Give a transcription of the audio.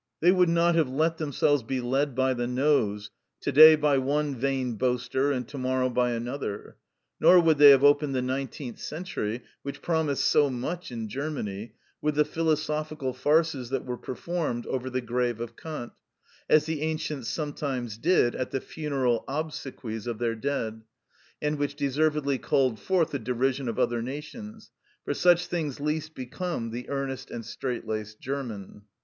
They would not have let themselves be led by the nose, to day by one vain boaster and to morrow by another, nor would they have opened the nineteenth century, which promised so much in Germany, with the philosophical farces that were performed over the grave of Kant (as the ancients sometimes did at the funeral obsequies of their dead), and which deservedly called forth the derision of other nations, for such things least become the earnest and strait laced German.